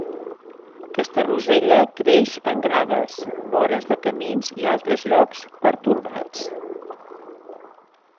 Aquesta rosella creix en graves, vores de camins i altres llocs pertorbats.